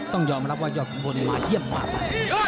ต้องยอมรับว่ายอดขุนมาเยี่ยมบาปนะ